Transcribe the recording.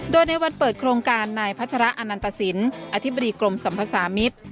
โดยในวันเปิดโครงการนายพัชระอนันตสินอธิบดีกรมสัมภาษามิตร